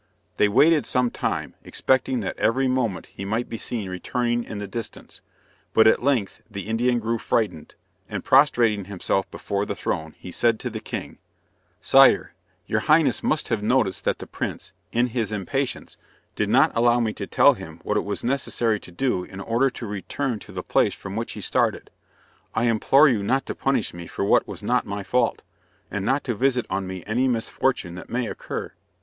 They waited some time, expecting that every moment he might be seen returning in the distance, but at length the Indian grew frightened, and prostrating himself before the throne, he said to the king, "Sire, your Highness must have noticed that the prince, in his impatience, did not allow me to tell him what it was necessary to do in order to return to the place from which he started. I implore you not to punish me for what was not my fault, and not to visit on me any misfortune that may occur."